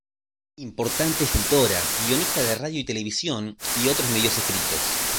Importante escritora, guionista de radio y televisión y otros medios escritos.